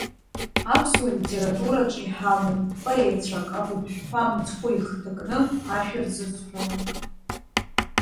Аԥсуа литератураҿы иҳамоуп поетцәак агәыԥҳәқәа мыцхәы ихҭакны ашәа рзызҳәо.